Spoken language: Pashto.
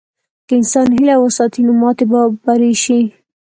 که انسان هیله وساتي، نو ماتې به بری شي.